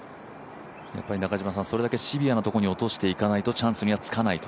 それだけシビアなところに落としていかないとチャンスにはつかないと。